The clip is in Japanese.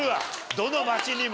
どの街にも。